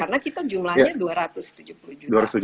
karena kita jumlahnya dua ratus tujuh puluh juta